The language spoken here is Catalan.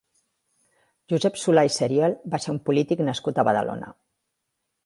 Josep Solà i Seriol va ser un polític nascut a Badalona.